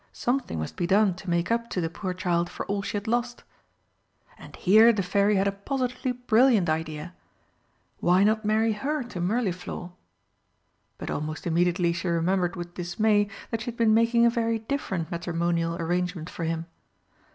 Something must be done to make up to the poor child for all she had lost. And here the Fairy had a positively brilliant idea why not marry her to Mirliflor? But almost immediately she remembered with dismay that she had been making a very different matrimonial arrangement for him.